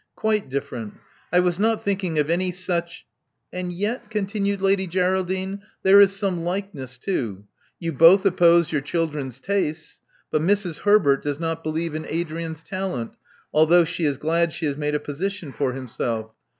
Quite different I was not thinking of any such " And yet," continued Lady Geraldine, there is some likeness too. You both opposed your children's tastes. But Mrs. Herbert does not believe in Adrian's talent, although she is glad he has made a position for himself.